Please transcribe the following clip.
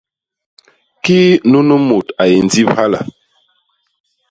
Kii nunu mut a yé ndip hala?